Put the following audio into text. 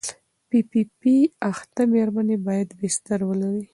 پي پي پي اخته مېرمنې باید بستر ولري.